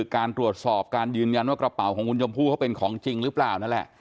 การตรวจสอบการยืนยันว่ากระเป๋าของคุณชมพู่เขาเป็นของจริงหรือเปล่านั่นแหละ